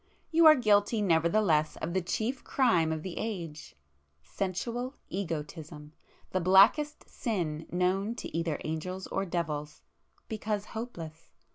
You are guilty nevertheless of the chief crime of the age—Sensual Egotism—the blackest sin known to either angels or devils, because hopeless.